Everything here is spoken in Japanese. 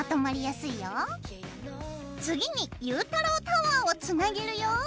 次にゆうたろうタワーをつなげるよ。